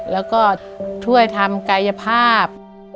แล้วก็ช่วยทำกายภาพ